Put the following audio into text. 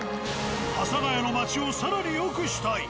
阿佐ヶ谷の町を更によくしたい。